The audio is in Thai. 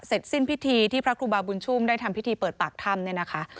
สิ้นพิธีที่พระครูบาบุญชุ่มได้ทำพิธีเปิดปากถ้ำเนี่ยนะคะ